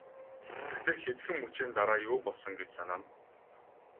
Тэгтэл хэдхэн мөчийн дараа юу болсон гэж санана.